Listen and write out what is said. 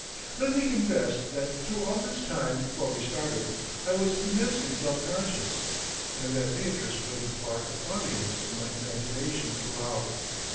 Let me confess that through all this time before we started I was immensely self conscious, and that Beatrice played the part of audience in my imagination throughout.